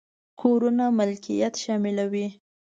کورونو ملکيت شاملوي.